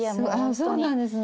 そうなんですね